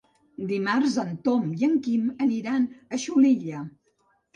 Dimarts en Tom i en Quim aniran a Xulilla.